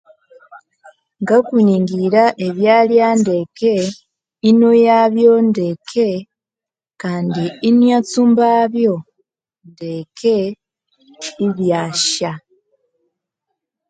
Ngakuningira ebyalya ndeke, inoyabyo ndeke kandi inatsumbabyo ndeke ibyasya.